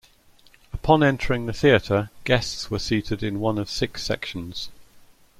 Upon entering the theatre, guests were seated in one of six sections.